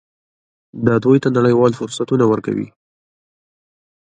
دا دوی ته نړیوال فرصتونه ورکوي.